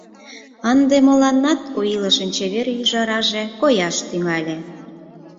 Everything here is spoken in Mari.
Ынде мыланнат у илышын чевер ӱжараже кояш тӱҥале!